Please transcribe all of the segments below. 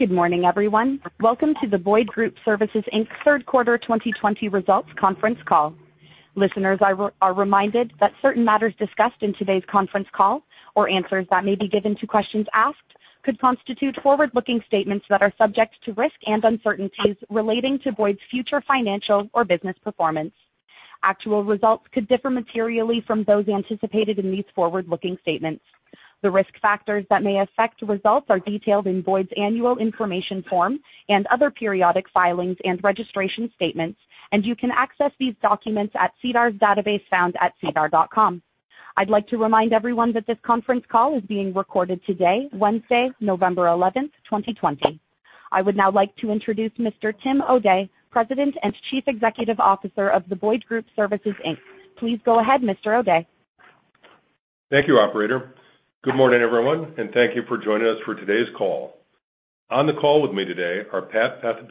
Good morning, everyone. Welcome to the Boyd Group Services Inc.'s third quarter 2020 results conference call. Listeners are reminded that certain matters discussed in today's conference call or answers that may be given to questions asked could constitute forward-looking statements that are subject to risks and uncertainties relating to Boyd's future financial or business performance. Actual results could differ materially from those anticipated in these forward-looking statements. The risk factors that may affect results are detailed in Boyd's annual information form and other periodic filings and registration statements, and you can access these documents at SEDAR's database found at sedar.com. I'd like to remind everyone that this conference call is being recorded today, Wednesday, November 11, 2020. I would now like to introduce Mr. Tim O'Day, President and Chief Executive Officer of the Boyd Group Services Inc. Please go ahead, Mr. O'Day. Thank you, operator. Good morning, everyone, and thank you for joining us for today's call. On the call with me today are Pat Kolb,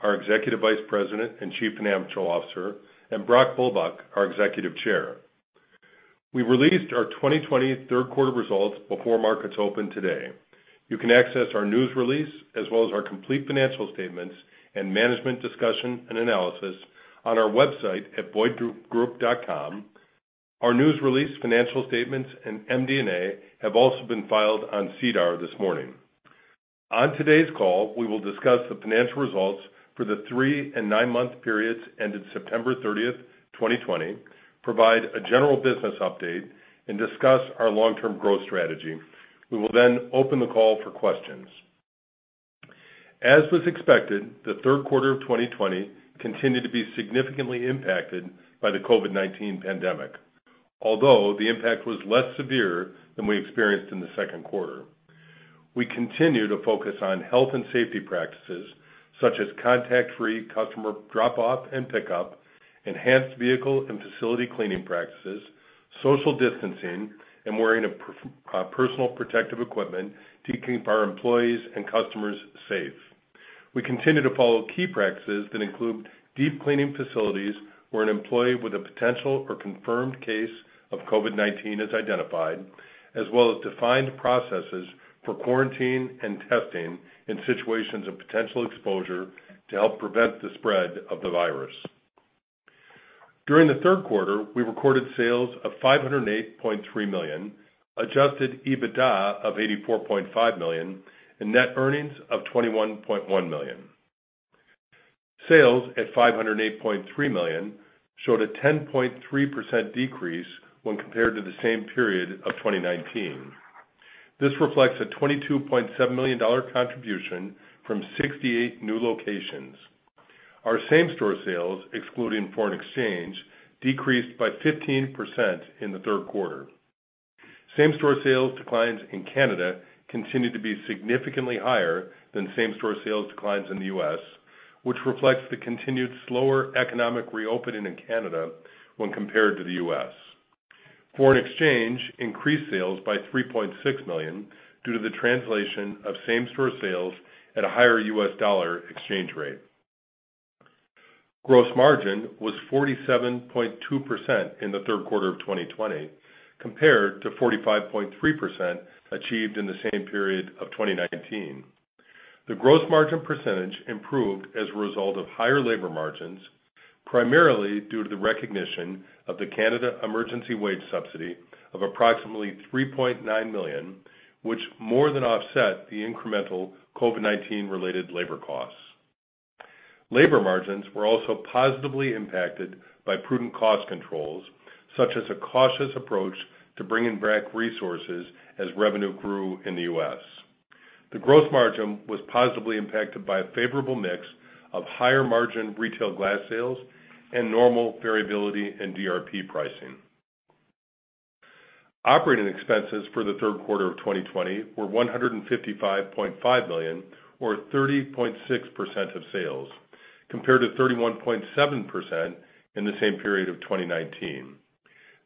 our Executive Vice President and Chief Financial Officer, and Brock Bulbuck, our Executive Chair. We released our 2020 third quarter results before markets opened today. You can access our news release, as well as our complete financial statements and management discussion and analysis on our website at boydgroup.com. Our news release, financial statements, and MD&A have also been filed on SEDAR this morning. On today's call, we will discuss the financial results for the three and nine-month periods ended September 30, 2020, provide a general business update, and discuss our long-term growth strategy. We will then open the call for questions. As was expected, the third quarter of 2020 continued to be significantly impacted by the COVID-19 pandemic. Although the impact was less severe than we experienced in the second quarter. We continue to focus on health and safety practices, such as contact-free customer drop-off and pickup, enhanced vehicle and facility cleaning practices, social distancing, and wearing of personal protective equipment to keep our employees and customers safe. We continue to follow key practices that include deep cleaning facilities where an employee with a potential or confirmed case of COVID-19 is identified, as well as defined processes for quarantine and testing in situations of potential exposure to help prevent the spread of the virus. During the third quarter, we recorded sales of 508.3 million, adjusted EBITDA of 84.5 million, and net earnings of 21.1 million. Sales at 508.3 million showed a 10.3% decrease when compared to the same period of 2019. This reflects a 22.7 million dollar contribution from 68 new locations. Our same-store sales, excluding foreign exchange, decreased by 15% in the third quarter. Same-store sales declines in Canada continued to be significantly higher than same-store sales declines in the U.S., which reflects the continued slower economic reopening in Canada when compared to the U.S. Foreign exchange increased sales by $3.6 million due to the translation of same-store sales at a higher US dollar exchange rate. Gross margin was 47.2% in the third quarter of 2020, compared to 45.3% achieved in the same period of 2019. The gross margin percentage improved as a result of higher labor margins, primarily due to the recognition of the Canada Emergency Wage Subsidy of approximately 3.9 million, which more than offset the incremental COVID-19 related labor costs. Labor margins were also positively impacted by prudent cost controls, such as a cautious approach to bringing back resources as revenue grew in the U.S. The gross margin was positively impacted by a favorable mix of higher margin retail glass sales and normal variability in DRP pricing. Operating expenses for the third quarter of 2020 were 155.5 million or 30.6% of sales, compared to 31.7% in the same period of 2019.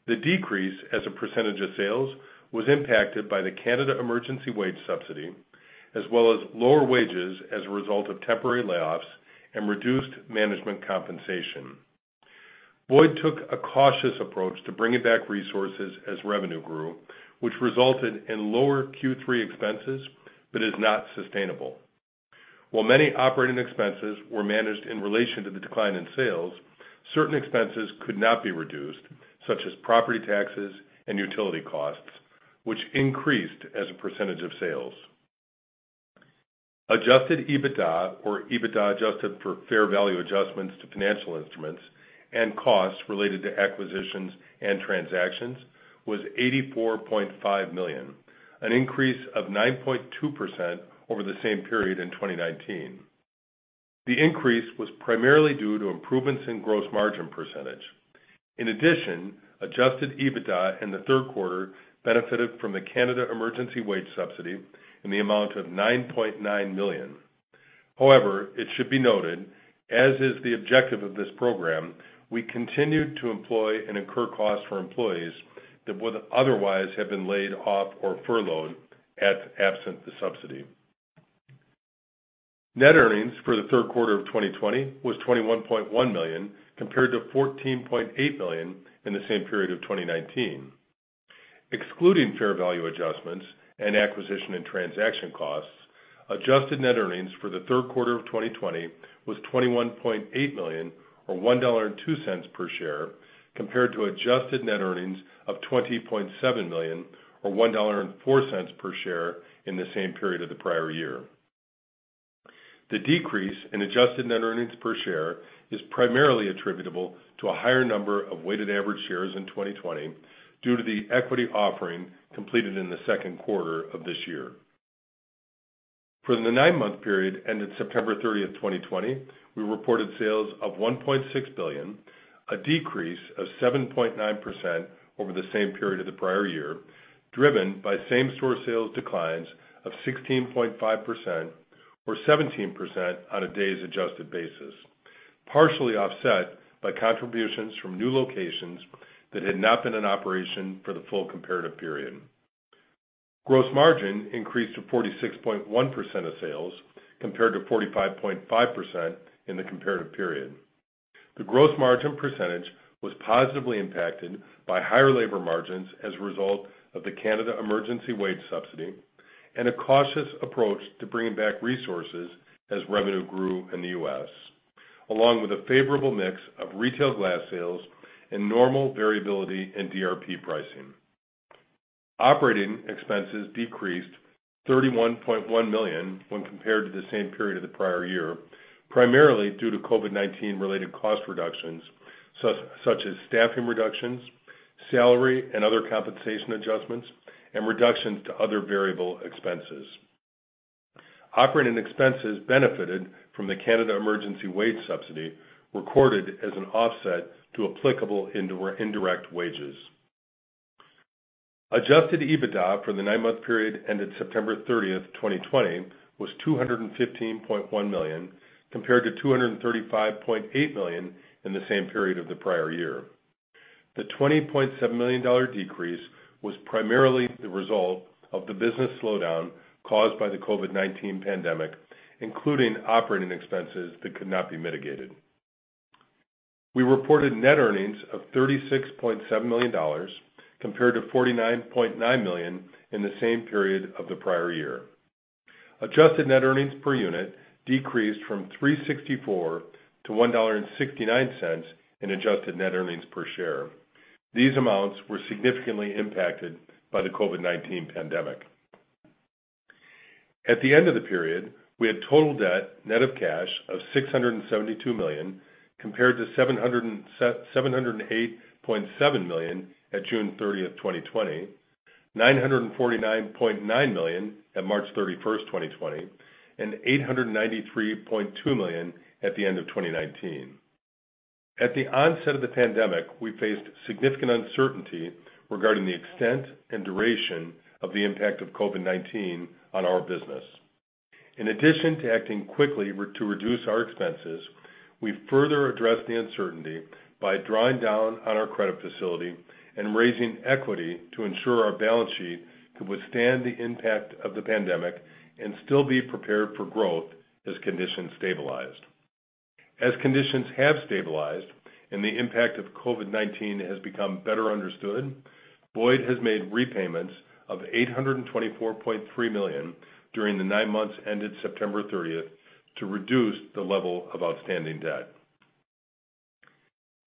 The decrease as a percentage of sales was impacted by the Canada Emergency Wage Subsidy, as well as lower wages as a result of temporary layoffs and reduced management compensation. Boyd took a cautious approach to bringing back resources as revenue grew, which resulted in lower Q3 expenses but is not sustainable. While many operating expenses were managed in relation to the decline in sales, certain expenses could not be reduced, such as property taxes and utility costs, which increased as a percentage of sales. Adjusted EBITDA or EBITDA adjusted for fair value adjustments to financial instruments and costs related to acquisitions and transactions was 84.5 million, an increase of 9.2% over the same period in 2019. The increase was primarily due to improvements in gross margin percentage. In addition, adjusted EBITDA in the third quarter benefited from the Canada Emergency Wage Subsidy in the amount of 9.9 million. However, it should be noted, as is the objective of this program, we continued to employ and incur costs for employees that would otherwise have been laid off or furloughed absent the subsidy. Net earnings for the third quarter of 2020 was 21.1 million, compared to 14.8 million in the same period of 2019. Excluding fair value adjustments and acquisition and transaction costs, adjusted net earnings for the third quarter of 2020 was 21.8 million, or 1.02 dollar per share, compared to adjusted net earnings of 20.7 million, or 1.04 dollar per share in the same period of the prior year. The decrease in adjusted net earnings per share is primarily attributable to a higher number of weighted average shares in 2020 due to the equity offering completed in the second quarter of this year. For the nine-month period ended September 30th, 2020, we reported sales of 1.6 billion, a decrease of 7.9% over the same period of the prior year, driven by same-store sales declines of 16.5%, or 17% on a days-adjusted basis, partially offset by contributions from new locations that had not been in operation for the full comparative period. Gross margin increased to 46.1% of sales compared to 45.5% in the comparative period. The gross margin percentage was positively impacted by higher labor margins as a result of the Canada Emergency Wage Subsidy and a cautious approach to bringing back resources as revenue grew in the U.S., along with a favorable mix of retail glass sales and normal variability in DRP pricing. Operating expenses decreased 31.1 million when compared to the same period of the prior year, primarily due to COVID-19 related cost reductions, such as staffing reductions, salary and other compensation adjustments, and reductions to other variable expenses. Operating expenses benefited from the Canada Emergency Wage Subsidy recorded as an offset to applicable indirect wages. Adjusted EBITDA for the nine-month period ended September 30th, 2020, was 215.1 million, compared to 235.8 million in the same period of the prior year. The 20.7 million dollar decrease was primarily the result of the business slowdown caused by the COVID-19 pandemic, including operating expenses that could not be mitigated. We reported net earnings of 36.7 million dollars, compared to 49.9 million in the same period of the prior year. Adjusted net earnings per unit decreased from 3.64 to 1.69 dollar in adjusted net earnings per share. These amounts were significantly impacted by the COVID-19 pandemic. At the end of the period, we had total debt net of cash of 672 million, compared to 708.7 million at June 30th, 2020, 949.9 million at March 31st, 2020, and 893.2 million at the end of 2019. At the onset of the pandemic, we faced significant uncertainty regarding the extent and duration of the impact of COVID-19 on our business. In addition to acting quickly to reduce our expenses, we further addressed the uncertainty by drawing down on our credit facility and raising equity to ensure our balance sheet could withstand the impact of the pandemic and still be prepared for growth as conditions stabilized. As conditions have stabilized and the impact of COVID-19 has become better understood, Boyd has made repayments of 824.3 million during the nine months ended September 30th to reduce the level of outstanding debt.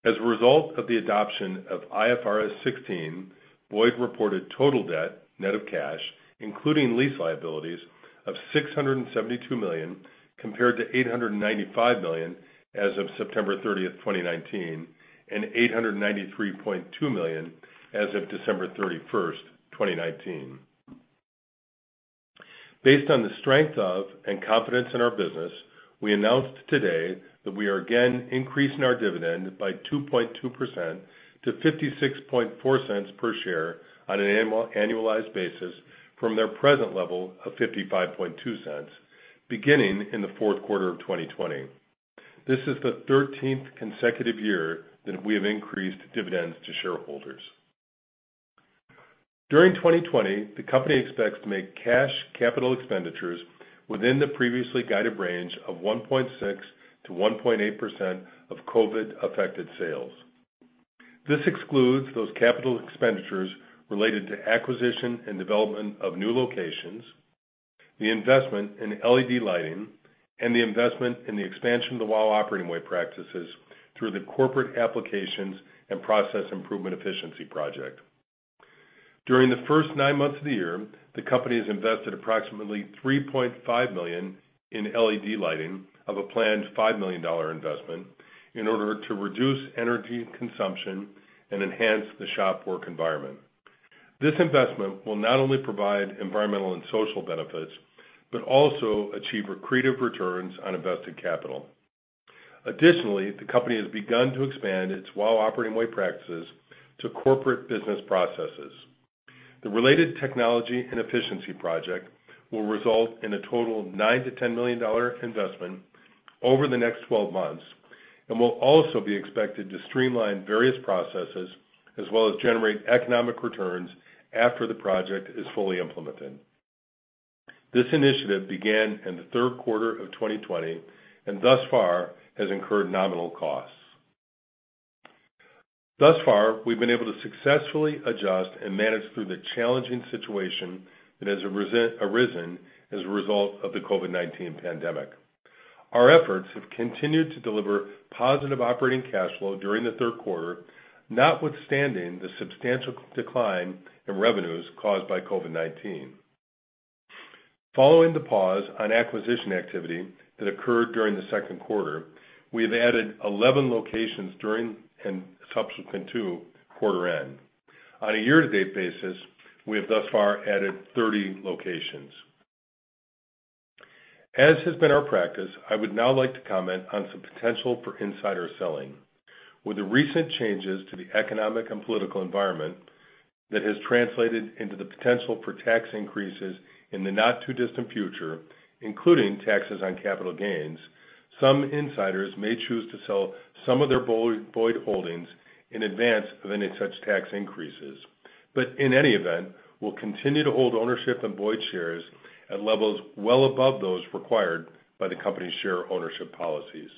As a result of the adoption of IFRS 16, Boyd reported total debt net of cash, including lease liabilities of 672 million, compared to 895 million as of September 30th, 2019, and 893.2 million as of December 31st, 2019. Based on the strength of and confidence in our business, we announced today that we are again increasing our dividend by 2.2% to 0.564 per share on an annualized basis from their present level of 0.552, beginning in the fourth quarter of 2020. This is the 13th consecutive year that we have increased dividends to shareholders. During 2020, the company expects to make cash capital expenditures within the previously guided range of 1.6%-1.8% of COVID-affected sales. This excludes those capital expenditures related to acquisition and development of new locations, the investment in LED lighting, and the investment in the expansion of the WOW Operating Way practices through the corporate applications and process improvement efficiency project. During the first nine months of the year, the company has invested approximately 3.5 million in LED lighting of a planned 5 million dollar investment in order to reduce energy consumption and enhance the shop work environment. This investment will not only provide environmental and social benefits, but also achieve accretive returns on invested capital. Additionally, the company has begun to expand its WOW Operating Way practices to corporate business processes. The related technology and efficiency project will result in a total of 9 million-10 million dollar investment over the next 12 months and will also be expected to streamline various processes as well as generate economic returns after the project is fully implemented. This initiative began in the third quarter of 2020 and thus far has incurred nominal costs. Thus far, we've been able to successfully adjust and manage through the challenging situation that has arisen as a result of the COVID-19 pandemic. Our efforts have continued to deliver positive operating cash flow during the third quarter, notwithstanding the substantial decline in revenues caused by COVID-19. Following the pause on acquisition activity that occurred during the second quarter, we have added 11 locations during and subsequent to quarter end. On a year-to-date basis, we have thus far added 30 locations. As has been our practice, I would now like to comment on some potential for insider selling. With the recent changes to the economic and political environment that has translated into the potential for tax increases in the not-too-distant future, including taxes on capital gains, some insiders may choose to sell some of their Boyd holdings in advance of any such tax increases. In any event, we'll continue to hold ownership of Boyd shares at levels well above those required by the company's share ownership policies.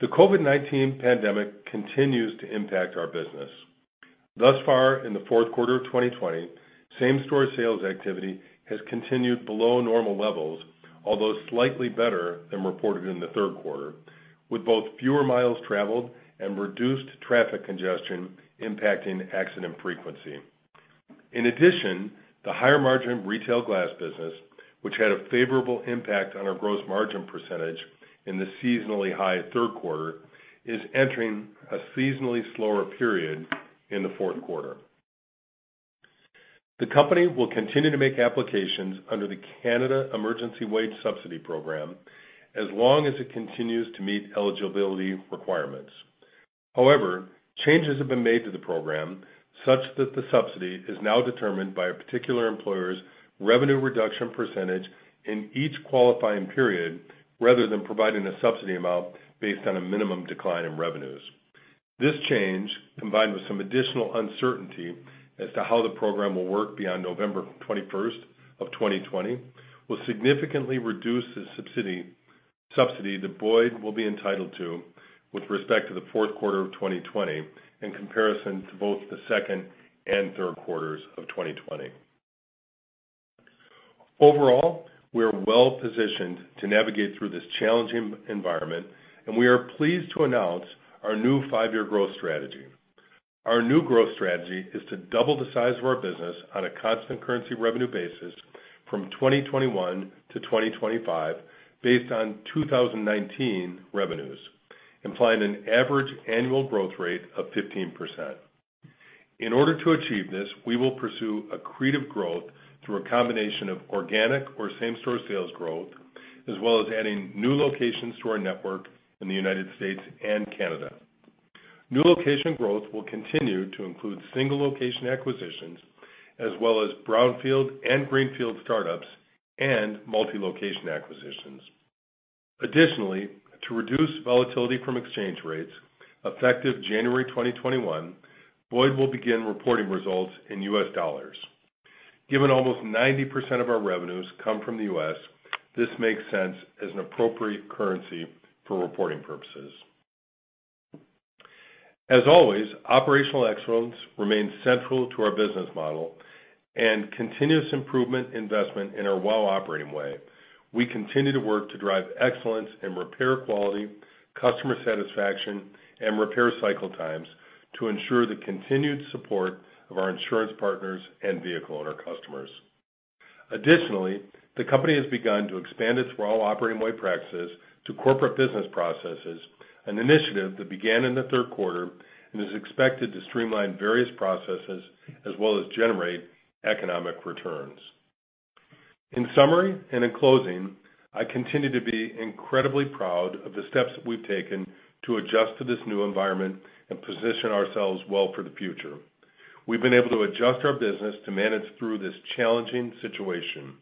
The COVID-19 pandemic continues to impact our business. Thus far in the fourth quarter of 2020, same-store sales activity has continued below normal levels, although slightly better than reported in the third quarter, with both fewer miles traveled and reduced traffic congestion impacting accident frequency. In addition, the higher margin retail glass business, which had a favorable impact on our gross margin percentage in the seasonally high third quarter, is entering a seasonally slower period in the fourth quarter. The company will continue to make applications under the Canada Emergency Wage Subsidy program as long as it continues to meet eligibility requirements. However, changes have been made to the program such that the subsidy is now determined by a particular employer's revenue reduction percentage in each qualifying period, rather than providing a subsidy amount based on a minimum decline in revenues. This change, combined with some additional uncertainty as to how the program will work beyond November 21st of 2020, will significantly reduce the subsidy that Boyd will be entitled to with respect to the fourth quarter of 2020 in comparison to both the second and third quarters of 2020. Overall, we are well-positioned to navigate through this challenging environment, and we are pleased to announce our new five-year growth strategy. Our new growth strategy is to double the size of our business on a constant currency revenue basis from 2021 to 2025, based on 2019 revenues, implying an average annual growth rate of 15%. In order to achieve this, we will pursue accretive growth through a combination of organic or same-store sales growth, as well as adding new locations to our network in the United States and Canada. New location growth will continue to include single-location acquisitions as well as brownfield and greenfield startups and multi-location acquisitions. Additionally, to reduce volatility from exchange rates, effective January 2021, Boyd will begin reporting results in US dollars. Given almost 90% of our revenues come from the US, this makes sense as an appropriate currency for reporting purposes. As always, operational excellence remains central to our business model and continuous improvement investment in our WOW Operating Way. We continue to work to drive excellence in repair quality, customer satisfaction, and repair cycle times to ensure the continued support of our insurance partners and vehicle owner customers. Additionally, the company has begun to expand its WOW Operating Way practices to corporate business processes, an initiative that began in the third quarter and is expected to streamline various processes as well as generate economic returns. In summary and in closing, I continue to be incredibly proud of the steps that we've taken to adjust to this new environment and position ourselves well for the future. We've been able to adjust our business to manage through this challenging situation.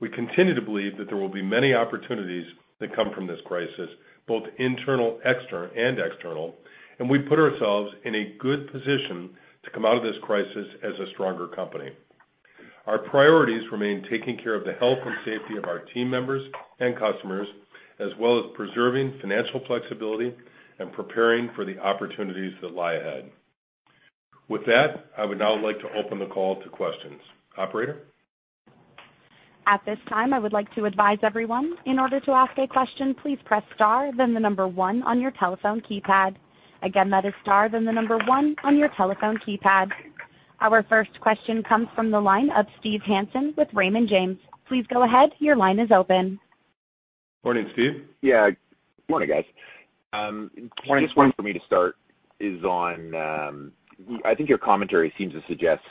We continue to believe that there will be many opportunities that come from this crisis, both internal and external, and we put ourselves in a good position to come out of this crisis as a stronger company. Our priorities remain taking care of the health and safety of our team members and customers, as well as preserving financial flexibility and preparing for the opportunities that lie ahead. With that, I would now like to open the call to questions. Operator? At this time, I would like to advise everyone, in order to ask a question, please press star then the number one on your telephone keypad. Again, that is star then the number one on your telephone keypad. Our first question comes from the line of Steve Hansen with Raymond James. Please go ahead. Your line is open. Morning, Steve. Morning, guys. Morning, Steve. One for me to start is on, I think your commentary seems to suggest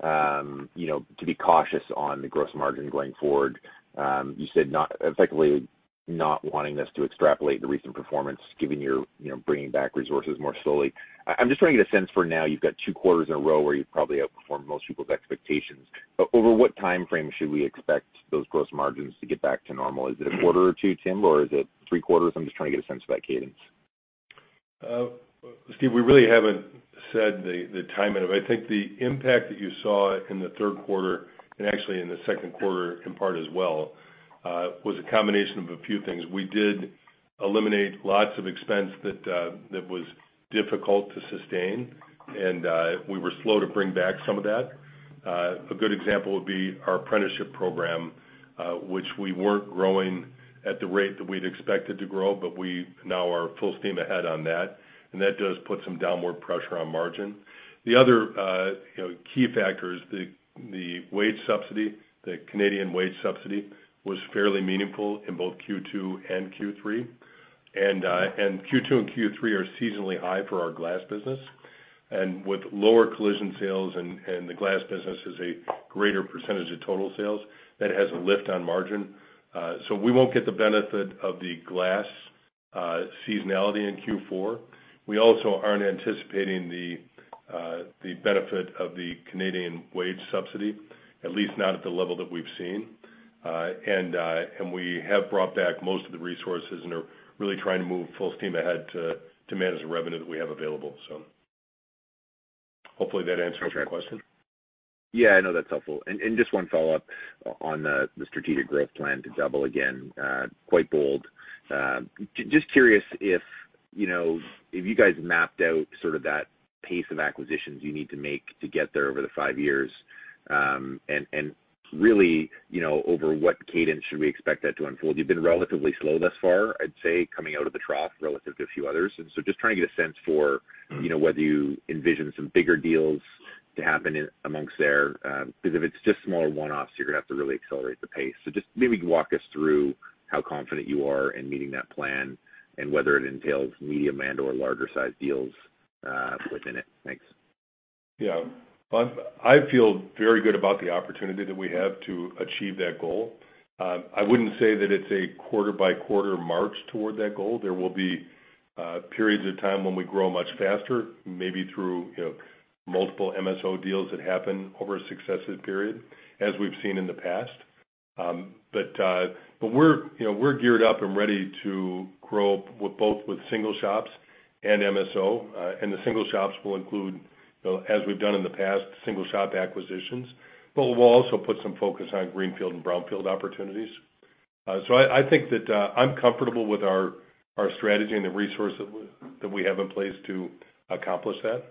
to be cautious on the gross margin going forward. You said effectively not wanting us to extrapolate the recent performance given you're bringing back resources more slowly. I'm just trying to get a sense for now you've got two quarters in a row where you've probably outperformed most people's expectations. Over what time frame should we expect those gross margins to get back to normal? Is it a quarter or two, Tim, or is it three quarters? I'm just trying to get a sense of that cadence. Steve, we really haven't said the timing of it. I think the impact that you saw in the third quarter, and actually in the second quarter in part as well, was a combination of a few things. We did eliminate lots of expense that was difficult to sustain, and we were slow to bring back some of that. A good example would be our apprenticeship program, which we weren't growing at the rate that we'd expected to grow, but we now are full steam ahead on that, and that does put some downward pressure on margin. The other key factor is the wage subsidy. The Canadian Wage Subsidy was fairly meaningful in both Q2 and Q3. Q2 and Q3 are seasonally high for our glass business. With lower collision sales and the glass business is a greater percentage of total sales, that has a lift on margin. We won't get the benefit of the glass seasonality in Q4. We also aren't anticipating the benefit of the Canadian wage subsidy, at least not at the level that we've seen. We have brought back most of the resources and are really trying to move full steam ahead to manage the revenue that we have available. Hopefully that answers your question. Yeah, no, that's helpful. Just one follow-up on the strategic growth plan to double again. Quite bold. Just curious if you guys mapped out that pace of acquisitions you need to make to get there over the five years. Really, over what cadence should we expect that to unfold? You've been relatively slow thus far, I'd say, coming out of the trough relative to a few others. Just trying to get a sense for whether you envision some bigger deals to happen in amongst there. Because if it's just smaller one-offs, you're going to have to really accelerate the pace. Just maybe walk us through how confident you are in meeting that plan and whether it entails medium and/or larger sized deals within it. Thanks. Yeah. I feel very good about the opportunity that we have to achieve that goal. I wouldn't say that it's a quarter-by-quarter march toward that goal. There will be periods of time when we grow much faster, maybe through multiple MSO deals that happen over a successive period, as we've seen in the past. We're geared up and ready to grow both with single shops and MSO. The single shops will include, as we've done in the past, single shop acquisitions. We'll also put some focus on greenfield and brownfield opportunities. I think that I'm comfortable with our strategy and the resources that we have in place to accomplish that.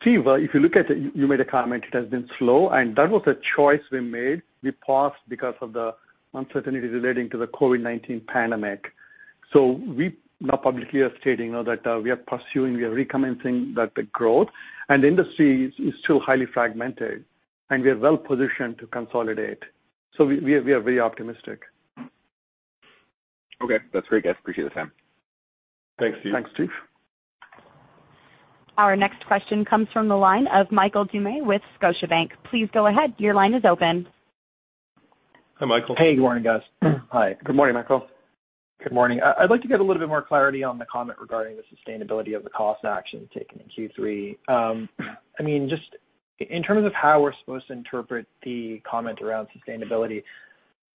Steve, if you look at it, you made a comment, it has been slow, and that was a choice we made. We paused because of the uncertainties relating to the COVID-19 pandemic. We now publicly are stating now that we are pursuing, we are recommencing the growth. The industry is still highly fragmented, and we are well-positioned to consolidate. We are very optimistic. Okay. That's great, guys. Appreciate the time. Thanks, Steve. Thanks, Steve. Our next question comes from the line of Michael Doumet with Scotiabank. Please go ahead. Your line is open. Hi, Michael. Hey. Good morning, guys. Hi. Good morning, Michael. Good morning. I'd like to get a little bit more clarity on the comment regarding the sustainability of the cost actions taken in Q3. Just in terms of how we're supposed to interpret the comment around sustainability,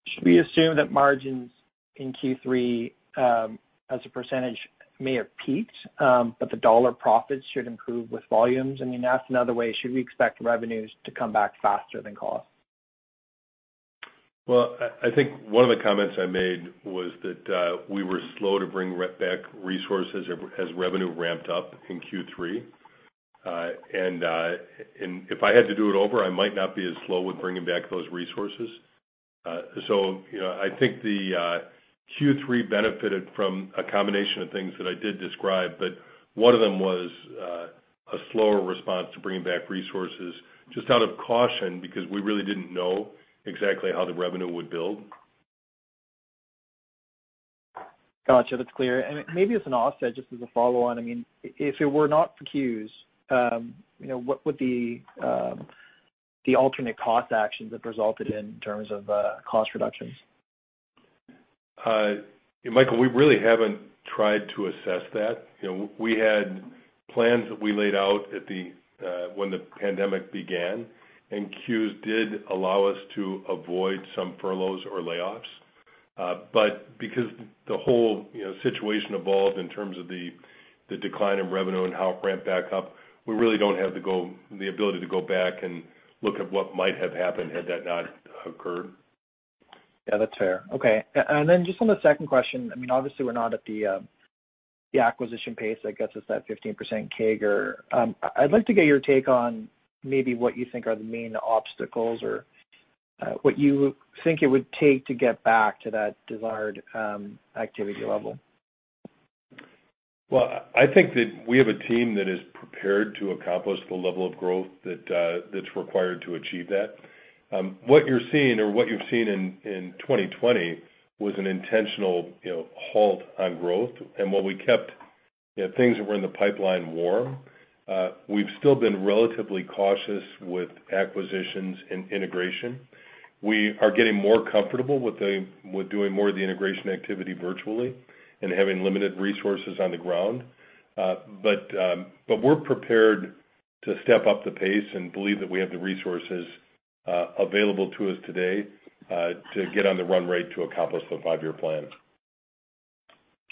should we assume that margins in Q3, as a %, may have peaked, but the dollar profits should improve with volumes? I mean, asked another way, should we expect revenues to come back faster than cost? I think one of the comments I made was that we were slow to bring back resources as revenue ramped up in Q3. If I had to do it over, I might not be as slow with bringing back those resources. I think the Q3 benefited from a combination of things that I did describe, but one of them was a slower response to bringing back resources just out of caution, because we really didn't know exactly how the revenue would build. Got you. That's clear. Maybe as an offset, just as a follow-on, if it were not for CEWS, what would be the alternate cost actions that resulted in terms of cost reductions? Michael, we really haven't tried to assess that. We had plans that we laid out when the pandemic began, and CEWS did allow us to avoid some furloughs or layoffs. Because the whole situation evolved in terms of the decline in revenue and how it ramped back up, we really don't have the ability to go back and look at what might have happened had that not occurred. That's fair. Okay. Just on the second question, obviously we're not at the acquisition pace that gets us that 15% CAGR. I'd like to get your take on maybe what you think are the main obstacles or what you think it would take to get back to that desired activity level. I think that we have a team that is prepared to accomplish the level of growth that's required to achieve that. What you're seeing or what you've seen in 2020 was an intentional halt on growth. While we kept things that were in the pipeline warm, we've still been relatively cautious with acquisitions and integration. We are getting more comfortable with doing more of the integration activity virtually and having limited resources on the ground. We're prepared to step up the pace and believe that we have the resources available to us today to get on the run rate to accomplish the five-year plan.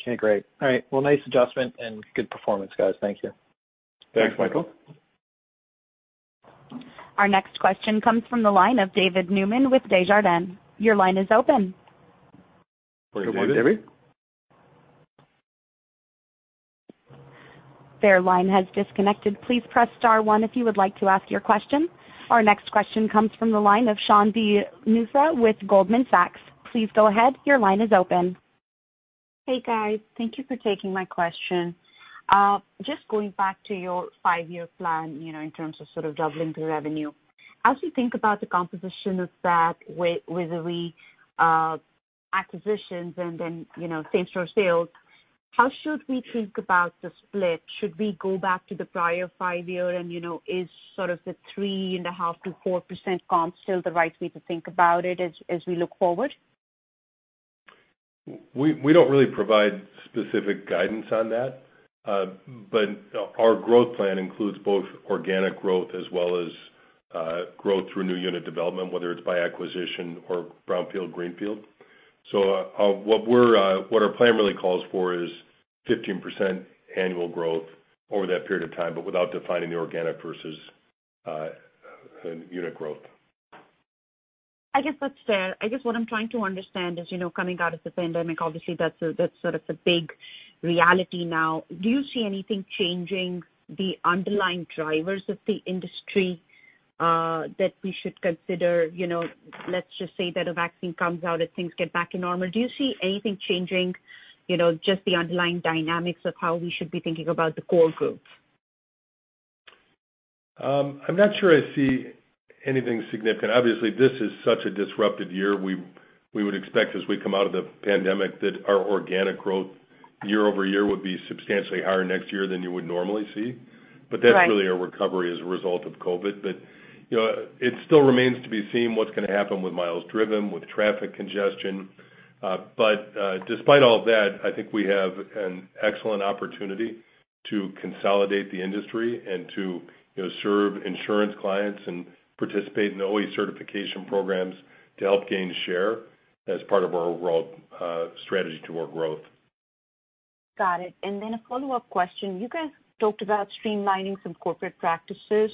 Okay, great. All right. Nice adjustment and good performance, guys. Thank you. Thanks, Michael. Our next question comes from the line of David Newman with Desjardins. Your line is open. Go ahead, David. Go on, David. Their line has disconnected. Please press star one if you would like to ask your question. Our next question comes from the line of Sabahat Khan with Goldman Sachs. Please go ahead, your line is open. Hey, guys. Thank you for taking my question. Just going back to your five-year plan, in terms of doubling the revenue. As you think about the composition of that with the acquisitions and then same-store sales, how should we think about the split? Should we go back to the prior five-year, and is sort of the 3.5%-4% comp still the right way to think about it as we look forward? We don't really provide specific guidance on that. Our growth plan includes both organic growth as well as growth through new unit development, whether it's by acquisition or brownfield, greenfield. What our plan really calls for is 15% annual growth over that period of time, but without defining the organic versus unit growth. I guess that's fair. I guess what I'm trying to understand is, coming out of the pandemic, obviously, that's the big reality now. Do you see anything changing the underlying drivers of the industry that we should consider? Let's just say that a vaccine comes out and things get back to normal. Do you see anything changing just the underlying dynamics of how we should be thinking about the core groups? I'm not sure I see anything significant. Obviously, this is such a disrupted year. We would expect as we come out of the pandemic that our organic growth year-over-year would be substantially higher next year than you would normally see. Right. That's really a recovery as a result of COVID. It still remains to be seen what's going to happen with miles driven, with traffic congestion. Despite all of that, I think we have an excellent opportunity to consolidate the industry and to serve insurance clients and participate in OE certification programs to help gain share as part of our overall strategy toward growth. Got it. A follow-up question. You guys talked about streamlining some corporate practices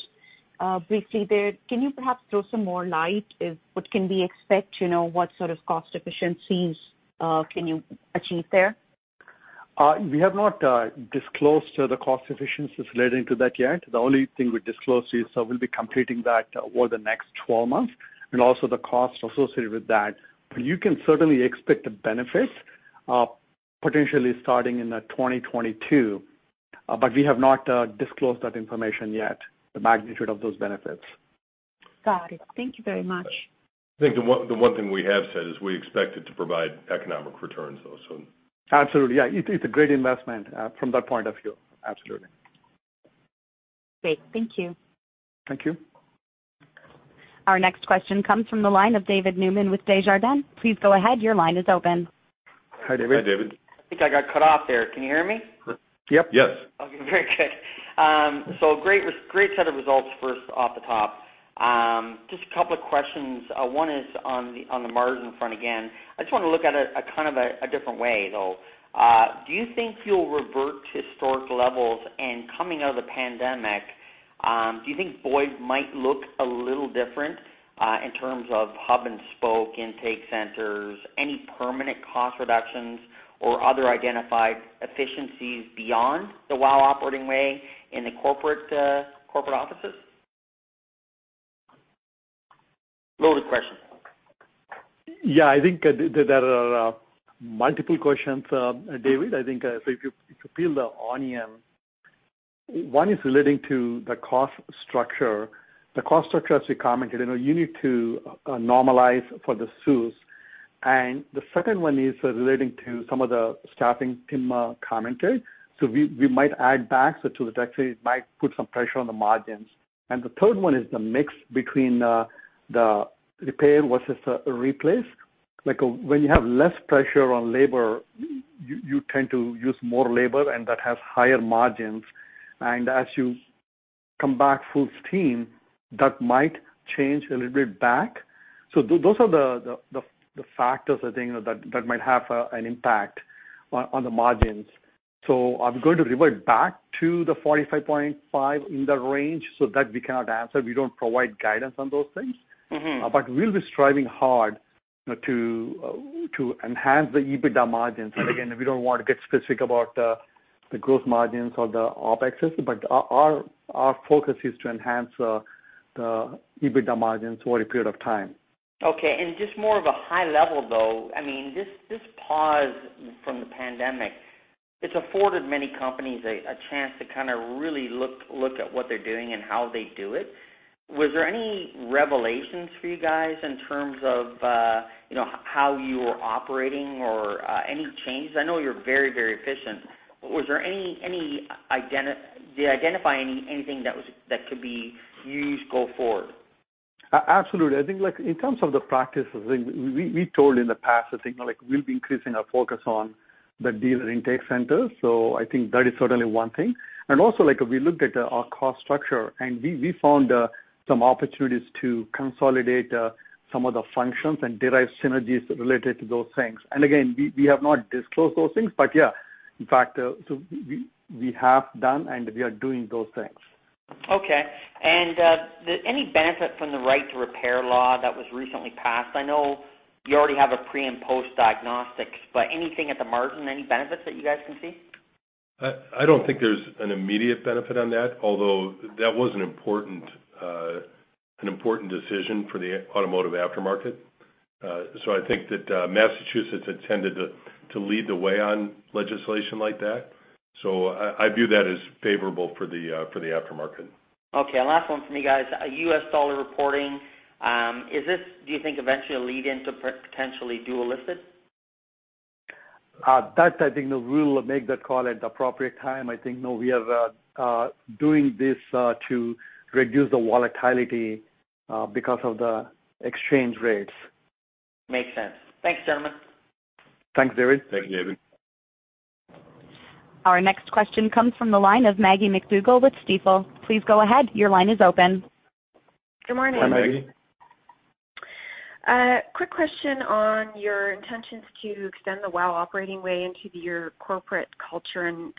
briefly there. Can you perhaps throw some more light? What can we expect? What sort of cost efficiencies can you achieve there? We have not disclosed the cost efficiencies relating to that yet. The only thing we disclosed is that we'll be completing that over the next 12 months, and also the cost associated with that. You can certainly expect the benefits potentially starting in 2022. We have not disclosed that information yet, the magnitude of those benefits. Got it. Thank you very much. I think the one thing we have said is we expect it to provide economic returns, though. Absolutely. Yeah. It's a great investment from that point of view. Absolutely. Great. Thank you. Thank you. Our next question comes from the line of David Newman with Desjardins. Please go ahead, your line is open. Hi, David. Hi, David. I think I got cut off there. Can you hear me? Yep. Yes. Very good. Great set of results first off the top. Just a couple of questions. One is on the margin front again. I just want to look at it a kind of a different way, though. Do you think you'll revert to historic levels? Coming out of the pandemic, do you think Boyd might look a little different in terms of hub and spoke intake centers, any permanent cost reductions or other identified efficiencies beyond the WOW Operating Way in the corporate offices? Loaded question. I think there are multiple questions, David. I think if you peel the onion, one is relating to the cost structure. The cost structure, as we commented, you need to normalize for the CEWS. The second one is relating to some of the staffing Tim commented. We might add back, so to that extent, it might put some pressure on the margins. The third one is the mix between the repair versus the replace. When you have less pressure on labor, you tend to use more labor, and that has higher margins. As you come back full steam, that might change a little bit back. Those are the factors I think that might have an impact on the margins. I'm going to revert back to the 45.5 in the range so that we cannot answer. We don't provide guidance on those things. We'll be striving hard to enhance the EBITDA margins. Again, we don't want to get specific about the growth margins or the OpExes, but our focus is to enhance the EBITDA margins over a period of time. Just more of a high level, though. This pause from the pandemic, it's afforded many companies a chance to kind of really look at what they're doing and how they do it. Was there any revelations for you guys in terms of how you were operating or any changes? I know you're very efficient. Did you identify anything that could be used go forward? Absolutely. I think in terms of the practices, we told in the past, I think we'll be increasing our focus on the dealer intake centers. I think that is certainly one thing. Also, we looked at our cost structure, and we found some opportunities to consolidate some of the functions and derive synergies related to those things. Again, we have not disclosed those things, but yeah. In fact, we have done, and we are doing those things. Okay. Any benefit from the right to repair law that was recently passed? I know you already have a pre and post diagnostics, but anything at the margin, any benefits that you guys can see? I don't think there's an immediate benefit on that, although that was an important decision for the automotive aftermarket. I think that Massachusetts had tended to lead the way on legislation like that. I view that as favorable for the aftermarket. Okay, last one from me, guys. U.S. dollar reporting, is this, do you think eventually will lead into potentially dual listed? That I think we'll make that call at the appropriate time. I think now we are doing this to reduce the volatility because of the exchange rates. Makes sense. Thanks, gentlemen. Thanks, David. Thanks, David. Our next question comes from the line of Maggie MacDougall with Stifel. Please go ahead. Your line is open. Good morning. Hi, Maggie. Quick question on your intentions to extend the WOW Operating Way into your corporate culture and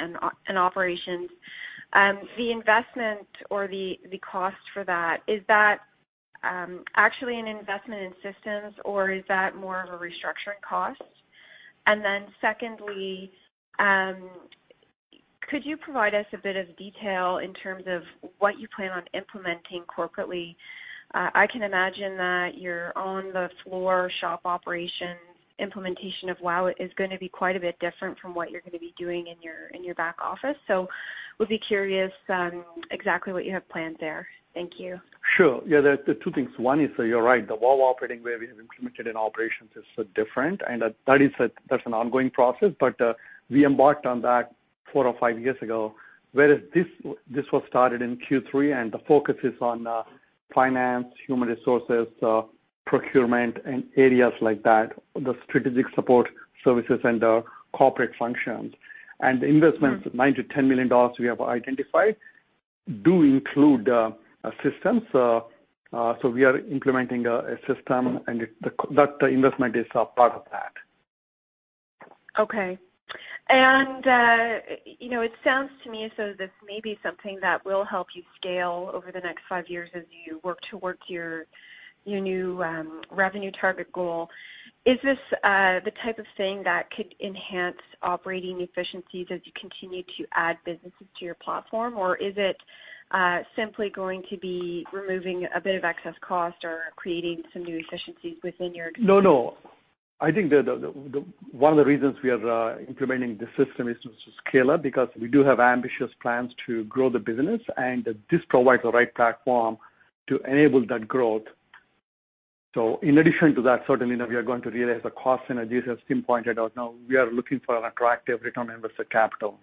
operations. The investment or the cost for that, is that actually an investment in systems, or is that more of a restructuring cost? Secondly, could you provide us a bit of detail in terms of what you plan on implementing corporately? I can imagine that your on-the-floor shop operations implementation of WOW is going to be quite a bit different from what you're going to be doing in your back office. We'll be curious exactly what you have planned there. Thank you. Sure. Yeah, there are two things. One is, you're right, the WOW Operating Way we have implemented in operations is different, and that's an ongoing process. We embarked on that four or five years ago, whereas this was started in Q3, and the focus is on finance, human resources, procurement, and areas like that, the strategic support services and the corporate functions. The investments of 9 million-10 million dollars we have identified do include systems. We are implementing a system, and that investment is a part of that. It sounds to me as though this may be something that will help you scale over the next 5 years as you work towards your new revenue target goal. Is this the type of thing that could enhance operating efficiencies as you continue to add businesses to your platform? Is it simply going to be removing a bit of excess cost or creating some new efficiencies within your existing- No. I think one of the reasons we are implementing the system is to scale up because we do have ambitious plans to grow the business, and this provides the right platform to enable that growth. In addition to that, certainly we are going to realize the cost synergies as Tim pointed out. Now we are looking for an attractive return on invested capital.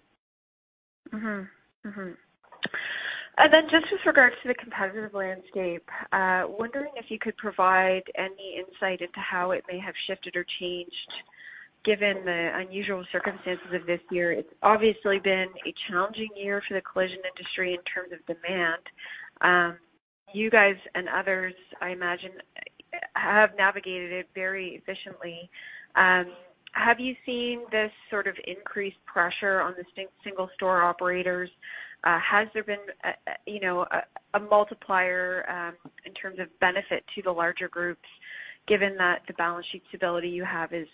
Mm-hmm. Just with regards to the competitive landscape, wondering if you could provide any insight into how it may have shifted or changed given the unusual circumstances of this year. It's obviously been a challenging year for the collision industry in terms of demand. You guys and others, I imagine, have navigated it very efficiently. Have you seen this sort of increased pressure on the single-store operators? Has there been a multiplier in terms of benefit to the larger groups given that the balance sheet stability you have is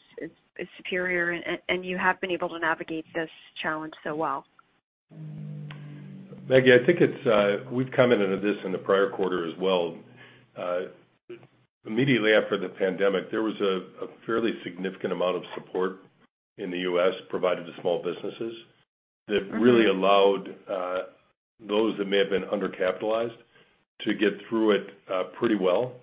superior, and you have been able to navigate this challenge so well? Maggie, I think we've commented on this in the prior quarter as well. Immediately after the pandemic, there was a fairly significant amount of support in the U.S. provided to small businesses that really allowed those that may have been undercapitalized to get through it pretty well.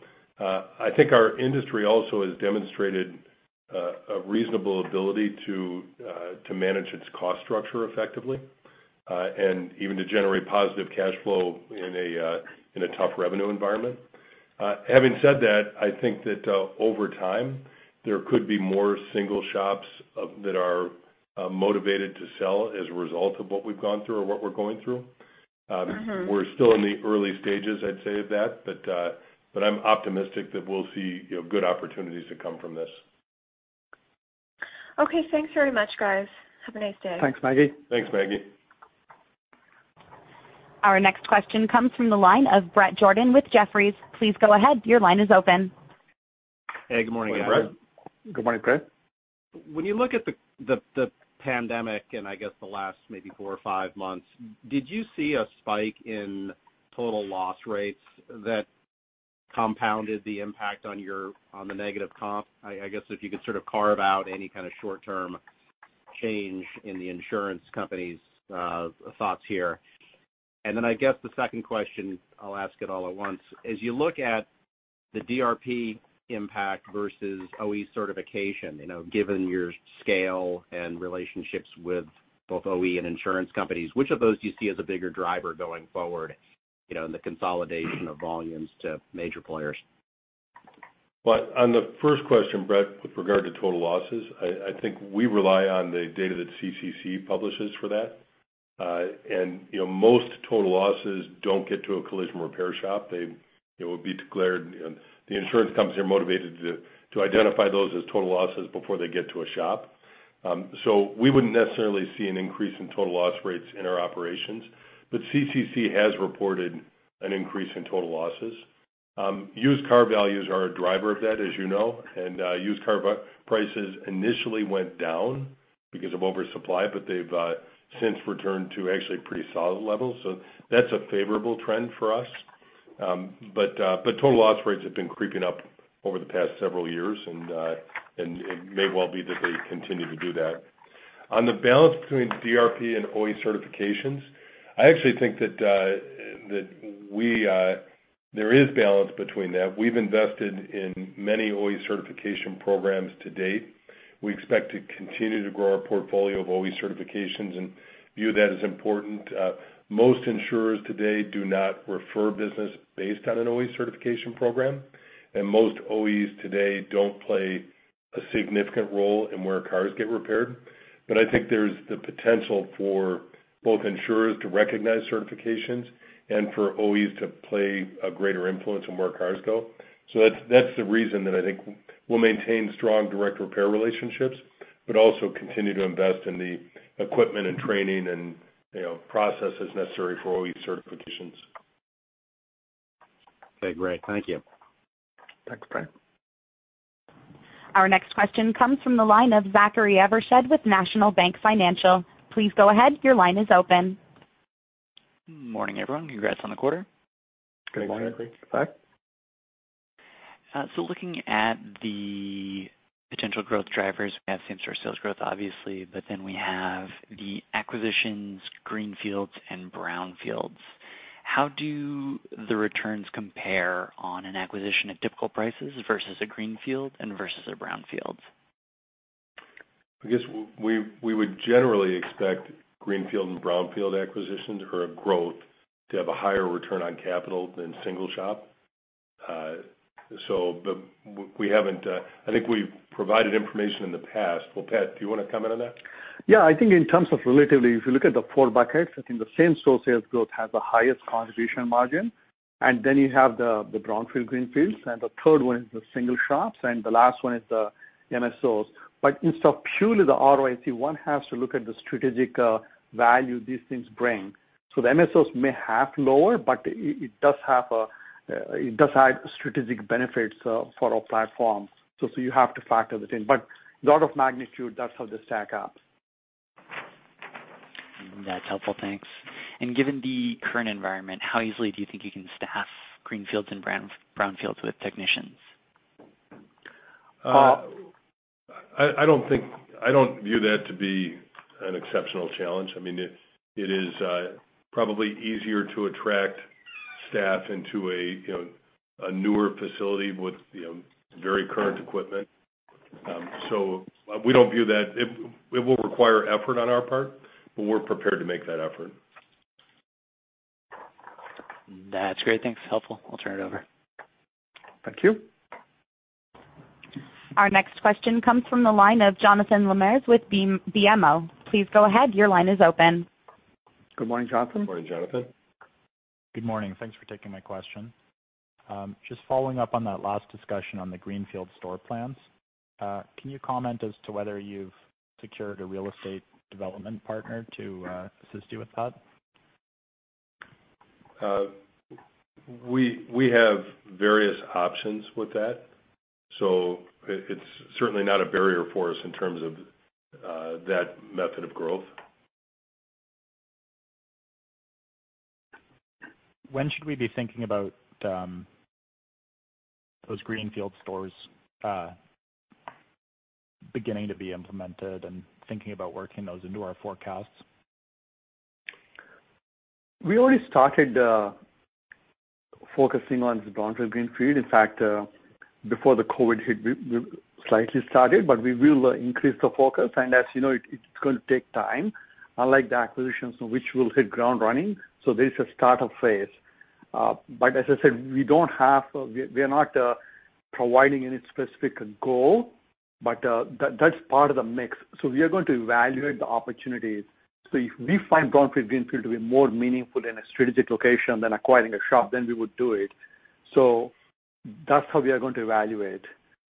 Having said that, I think that over time, there could be more single shops that are motivated to sell as a result of what we've gone through or what we're going through. We're still in the early stages, I'd say of that, but I'm optimistic that we'll see good opportunities to come from this. Okay. Thanks very much, guys. Have a nice day. Thanks, Maggie. Thanks, Maggie. Our next question comes from the line of Bret Jordan with Jefferies. Please go ahead. Your line is open. Hey, good morning, guys. Morning, Bret. Good morning, Bret. When you look at the pandemic and I guess the last maybe four or five months, did you see a spike in total loss rates that compounded the impact on the negative comp? I guess if you could sort of carve out any kind of short-term change in the insurance company's thoughts here. I guess the second question, I'll ask it all at once. As you look at the DRP impact versus OE certification, given your scale and relationships with both OE and insurance companies, which of those do you see as a bigger driver going forward in the consolidation of volumes to major players? On the first question, Bret, with regard to total losses, I think we rely on the data that CCC publishes for that. Most total losses don't get to a collision repair shop. The insurance companies are motivated to identify those as total losses before they get to a shop. We wouldn't necessarily see an increase in total loss rates in our operations, but CCC has reported an increase in total losses. Used car values are a driver of that, as you know, and used car prices initially went down because of oversupply, but they've since returned to actually pretty solid levels. That's a favorable trend for us. Total loss rates have been creeping up over the past several years and it may well be that they continue to do that. On the balance between DRP and OE certifications, I actually think that there is balance between that. We've invested in many OE certification programs to date. We expect to continue to grow our portfolio of OE certifications and view that as important. Most insurers today do not refer business based on an OE certification program, most OEs today don't play a significant role in where cars get repaired. I think there's the potential for both insurers to recognize certifications and for OEs to play a greater influence on where cars go. That's the reason that I think we'll maintain strong direct repair relationships, but also continue to invest in the equipment and training and processes necessary for OE certifications. Okay, great. Thank you. Thanks, Bret. Our next question comes from the line of Zachary Evershed with National Bank Financial. Please go ahead. Your line is open. Morning, everyone. Congrats on the quarter. Good morning. Thanks, Zachary. Looking at the potential growth drivers, we have same-store sales growth, obviously, we have the acquisitions, greenfields and brownfields. How do the returns compare on an acquisition at typical prices versus a greenfield and versus a brownfield? I guess we would generally expect greenfield and brownfield acquisitions or a growth to have a higher return on capital than single shop. I think we've provided information in the past. Well, Pat, do you want to comment on that? Yeah, I think in terms of relatively, if you look at the four buckets, I think the same-store sales growth has the highest contribution margin. You have the brownfield/greenfields, and the third one is the single shops, and the last one is the MSOs. Instead of purely the ROIC, one has to look at the strategic value these things bring. The MSOs may have lower, but it does add strategic benefits for our platform. You have to factor that in. In order of magnitude, that's how they stack up. That's helpful. Thanks. Given the current environment, how easily do you think you can staff greenfields and brownfields with technicians? I don't view that to be an exceptional challenge. It is probably easier to attract staff into a newer facility with very current equipment. It will require effort on our part, but we're prepared to make that effort. That's great. Thanks. Helpful. I'll turn it over. Thank you. Our next question comes from the line of Jonathan Lamers with BMO. Please go ahead. Your line is open. Good morning, Jonathan. Morning, Jonathan. Good morning. Thanks for taking my question. Just following up on that last discussion on the greenfield store plans. Can you comment as to whether you've secured a real estate development partner to assist you with that? We have various options with that, so it is certainly not a barrier for us in terms of that method of growth. When should we be thinking about those greenfield stores beginning to be implemented and thinking about working those into our forecasts? We already started focusing on the brownfield/greenfield. In fact, before the COVID-19 hit, we slightly started, but we will increase the focus. As you know, it is going to take time, unlike the acquisitions which will hit ground running. There is a startup phase. As I said, we are not providing any specific goal, but that is part of the mix. We are going to evaluate the opportunities. If we find brownfield/greenfield to be more meaningful in a strategic location than acquiring a shop, then we would do it. That is how we are going to evaluate.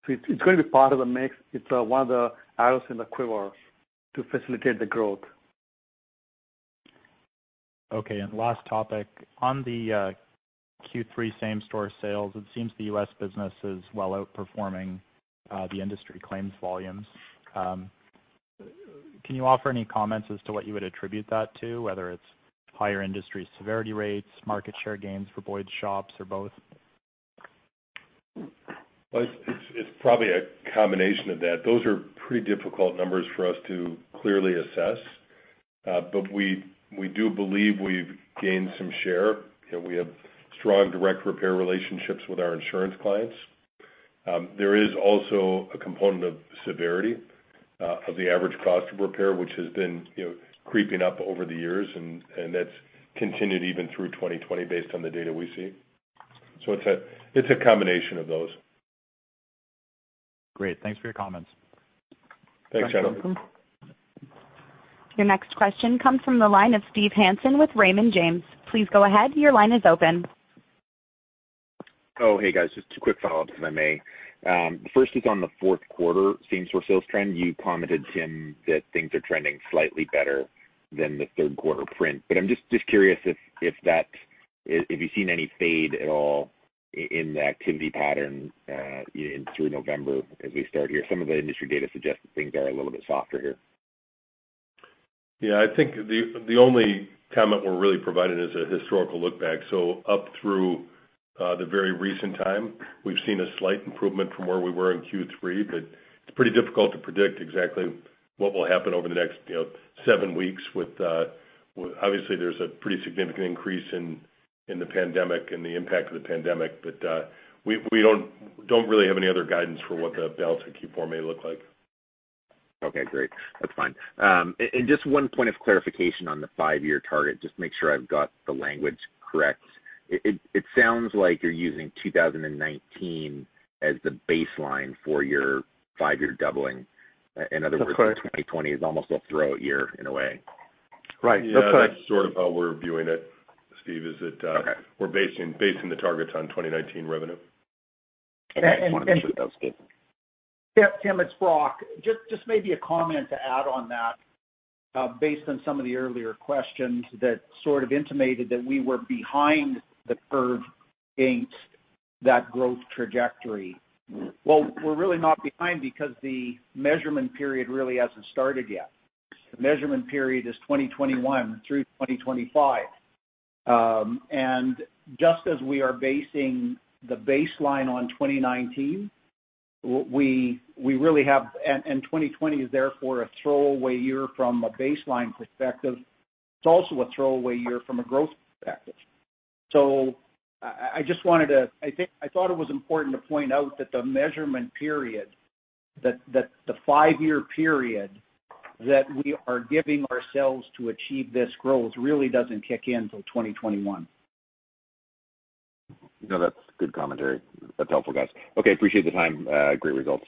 It is going to be part of the mix. It is one of the arrows in the quiver to facilitate the growth. Okay, last topic. On the Q3 same-store sales, it seems the U.S. business is well outperforming the industry claims volumes. Can you offer any comments as to what you would attribute that to, whether it is higher industry severity rates, market share gains for Boyd's shops, or both? It's probably a combination of that. Those are pretty difficult numbers for us to clearly assess. We do believe we've gained some share. We have strong direct repair relationships with our insurance clients. There is also a component of severity of the average cost of repair, which has been creeping up over the years, and that's continued even through 2020 based on the data we see. It's a combination of those. Great. Thanks for your comments. Thanks, Jonathan. You're welcome. Your next question comes from the line of Steve Hansen with Raymond James. Please go ahead, your line is open. Hey, guys. Just two quick follow-ups, if I may. First is on the fourth quarter same-store sales trend. You commented, Tim, that things are trending slightly better than the third quarter print. I am just curious if you have seen any fade at all in the activity pattern through November as we start here. Some of the industry data suggests that things are a little bit softer here. I think the only comment we are really providing is a historical look back. Up through the very recent time, we have seen a slight improvement from where we were in Q3, it is pretty difficult to predict exactly what will happen over the next seven weeks with there is a pretty significant increase in the pandemic and the impact of the pandemic, we do not really have any other guidance for what the delta Q4 may look like. Great. That is fine. Just one point of clarification on the five-year target, just to make sure I have got the language correct. It sounds like you are using 2019 as the baseline for your five-year doubling. That's correct 2020 is almost a throw-out year in a way. Right. That's correct. Yeah. That's sort of how we're viewing it, Steve. Okay we're basing the targets on 2019 revenue. And- Okay. Just wanted to make sure that was clear. Yeah. Tim, it's Brock. Just maybe a comment to add on that. Based on some of the earlier questions that sort of intimated that we were behind the curve against that growth trajectory. Well, we're really not behind because the measurement period really hasn't started yet. The measurement period is 2021 through 2025. Just as we are basing the baseline on 2019, and 2020 is therefore a throwaway year from a baseline perspective, it's also a throwaway year from a growth perspective. I thought it was important to point out that the measurement period, that the five-year period that we are giving ourselves to achieve this growth really doesn't kick in till 2021. No, that's good commentary. That's helpful, guys. Okay, appreciate the time. Great results.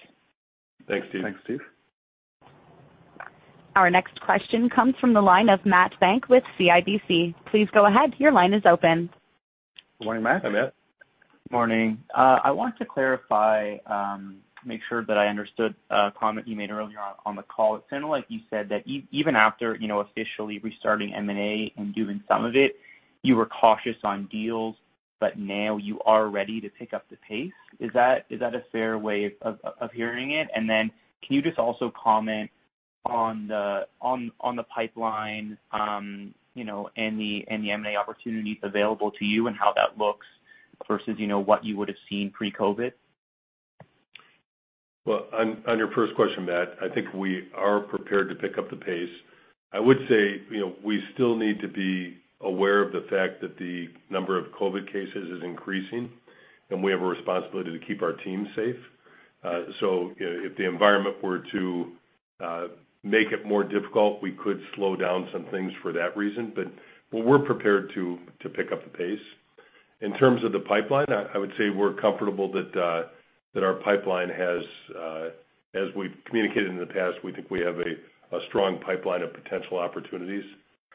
Thanks, Steve. Thanks, Steve. Our next question comes from the line of Matt Bank with CIBC. Please go ahead, your line is open. Good morning, Matt. Hi, Matt. Morning. I want to clarify, make sure that I understood a comment you made earlier on the call. It sounded like you said that even after officially restarting M&A and doing some of it, you were cautious on deals, but now you are ready to pick up the pace. Is that a fair way of hearing it? Then can you just also comment on the pipeline, and the M&A opportunities available to you and how that looks versus what you would've seen pre-COVID? Well, on your first question, Matt, I think we are prepared to pick up the pace. I would say we still need to be aware of the fact that the number of COVID cases is increasing, and we have a responsibility to keep our team safe. If the environment were to make it more difficult, we could slow down some things for that reason. We're prepared to pick up the pace. In terms of the pipeline, I would say we're comfortable that our pipeline has, as we've communicated in the past, we think we have a strong pipeline of potential opportunities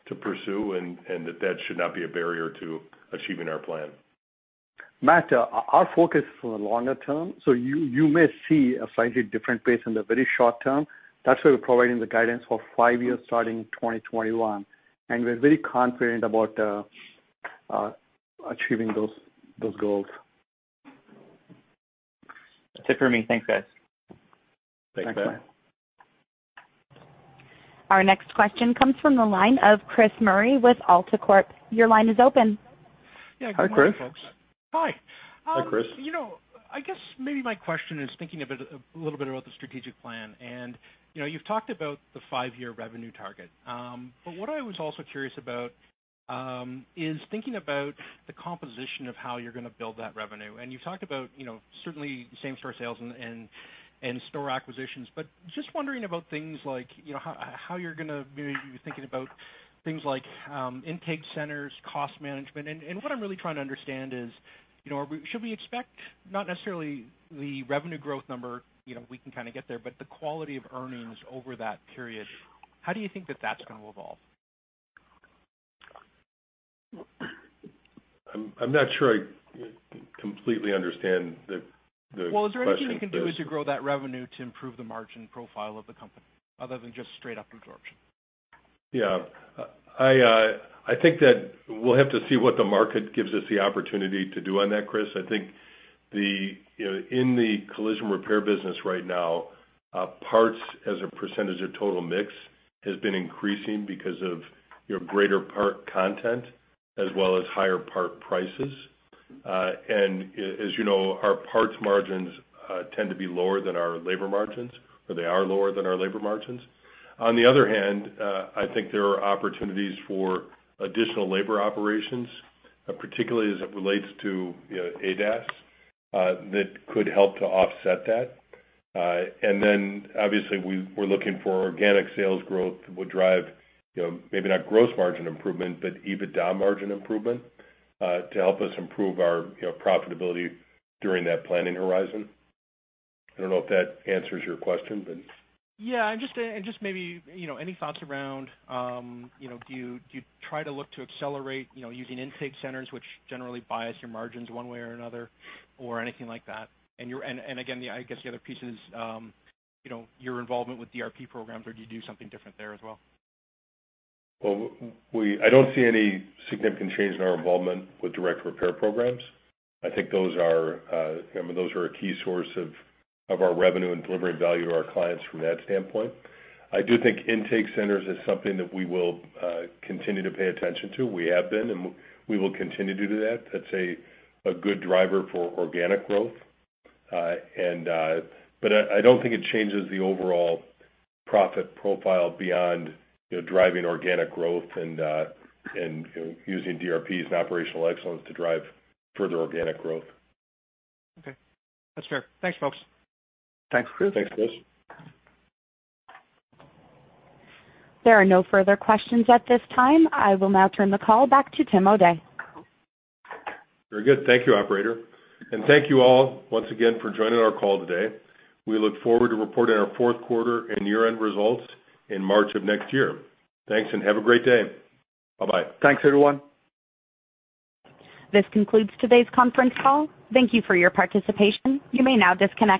to pursue, and that should not be a barrier to achieving our plan. Matt, our focus is for the longer term, you may see a slightly different pace in the very short term. That's why we're providing the guidance for five years starting 2021, we're very confident about achieving those goals. That's it for me. Thanks, guys. Thanks, Matt. Thanks, Matt. Our next question comes from the line of Chris Murray with AltaCorp. Your line is open. Hi, Chris. Yeah. Good morning, folks. Hi. Hi, Chris. I guess maybe my question is thinking a little bit about the strategic plan. You've talked about the five-year revenue target. What I was also curious about is thinking about the composition of how you're going to build that revenue. You've talked about certainly same-store sales and store acquisitions, but just wondering about things like how you're going to be thinking about things like intake centers, cost management. What I'm really trying to understand is should we expect, not necessarily the revenue growth number, we can kind of get there, but the quality of earnings over that period. How do you think that that's going to evolve? I'm not sure I completely understand the question. Well, is there anything you can do as you grow that revenue to improve the margin profile of the company other than just straight up absorption? Yeah. I think that we'll have to see what the market gives us the opportunity to do on that, Chris. I think in the collision repair business right now, parts as a percentage of total mix has been increasing because of greater part content as well as higher part prices. As you know, our parts margins tend to be lower than our labor margins, or they are lower than our labor margins. On the other hand, I think there are opportunities for additional labor operations, particularly as it relates to ADAS, that could help to offset that. Obviously we're looking for organic sales growth that would drive maybe not gross margin improvement, but EBITDA margin improvement to help us improve our profitability during that planning horizon. I don't know if that answers your question. Yeah. Just maybe any thoughts around do you try to look to accelerate using intake centers, which generally bias your margins one way or another, or anything like that? Again, I guess the other piece is your involvement with DRP programs. Do you do something different there as well? I don't see any significant change in our involvement with direct repair programs. I think those are a key source of our revenue and delivering value to our clients from that standpoint. I do think intake centers is something that we will continue to pay attention to. We have been, and we will continue to do that. That's a good driver for organic growth. I don't think it changes the overall profit profile beyond driving organic growth and using DRPs and operational excellence to drive further organic growth. Okay. That's fair. Thanks, folks. Thanks, Chris. Thanks, Chris. There are no further questions at this time. I will now turn the call back to Timothy O'Day. Very good. Thank you, operator. Thank you all once again for joining our call today. We look forward to reporting our fourth quarter and year-end results in March of next year. Thanks. Have a great day. Bye-bye. Thanks, everyone. This concludes today's conference call. Thank you for your participation. You may now disconnect.